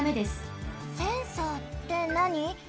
センサーってなに？